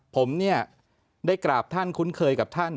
ผมเนี่ยได้กราบท่านคุ้นเคยกับท่าน